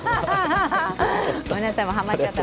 ごめんなさい、はまっちゃった